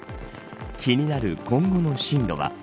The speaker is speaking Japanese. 気になる今後の進路は。